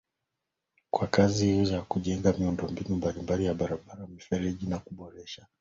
kwa kazi ya kujenga miundombinu barabara mifereji na kuboresha